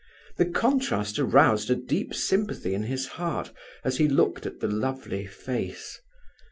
The contrast aroused a deep sympathy in his heart as he looked at the lovely face.